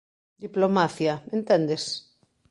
Diplomacia, entendes?